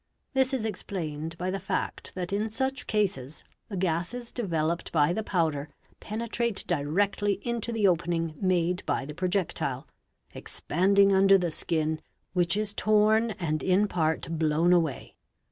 This is explained by the fact that in such cases the gases deve loped by the powder penetrate directly into the opening made by the _ projectile, expanding under the skin, which is torn and in part blown : away.